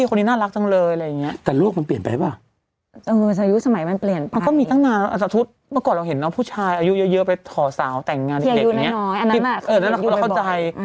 กิ๊งก็คงมีกระชุ้มเขาช่วยหัวใจ